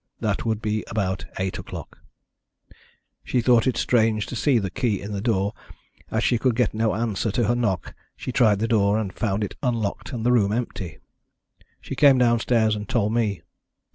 That would be about eight o'clock. She thought it strange to see the key in the door, and as she could get no answer to her knock she tried the door, found it unlocked and the room empty. She came downstairs and told me.